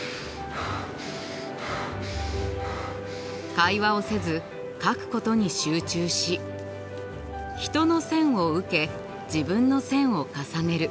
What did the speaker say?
会話をせず描くことに集中し人の線を受け自分の線を重ねる。